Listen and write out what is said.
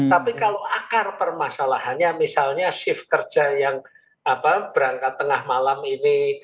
tapi kalau akar permasalahannya misalnya shift kerja yang berangkat tengah malam ini